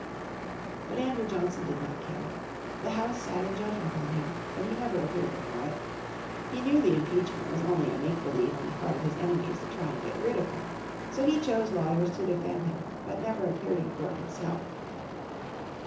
But Andrew Johnson did not care. The House sat in judgment on him, but he never appeared before it. He knew the impeachment was only make believe on the part of his enemies to try and get rid of him. So he chose lawyers to defend him, but never appeared in court himself.